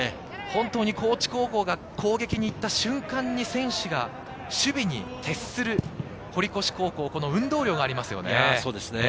高知高校が攻撃に行った瞬間に選手が守備に徹する、堀越高校、運動量がありますね。